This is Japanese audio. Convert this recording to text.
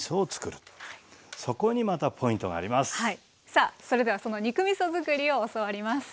さあそれではその肉みそ作りを教わります。